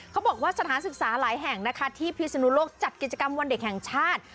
เขาบอกว่าสถานศึกษาหลายแห่งนะคะที่พิศนุโลกจัดกิจกรรมวันเด็กแห่งชาติ